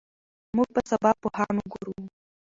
موږ به سبا پوهان وګورو.